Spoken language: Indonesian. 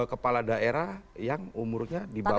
kepala daerah yang umurnya di bawah empat puluh tahun